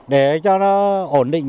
để cho nó ổn định